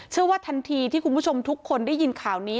ทันทีที่คุณผู้ชมทุกคนได้ยินข่าวนี้